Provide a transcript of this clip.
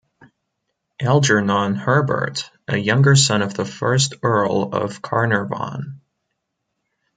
Algernon Herbert, a younger son of the first Earl of Carnarvon.